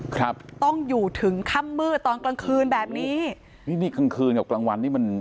ครับต้องอยู่ถึงค่ำมืดตอนกลางคืนแบบนี้นี่กลางคืนกับกลางวันนี้มัน